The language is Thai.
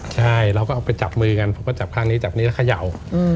ใช่เราก็เอาไปจับมือกันผมก็จับข้างนี้จับนี้แล้วเขย่า